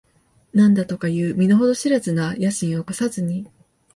何だとかいう身の程知らずな野心を起こさずに、